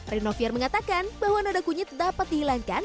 rinoviar mengatakan bahwa noda kunyit dapat dihilangkan